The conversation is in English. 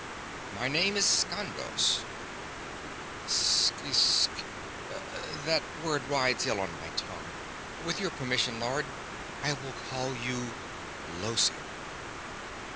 "My name is Skandos." "S ... Sek ... That word rides ill on the tongue. With your permission, Lord, I will call you Llosir."